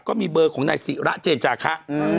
ก็มีเบอร์ของนายศิระเจนจาคะ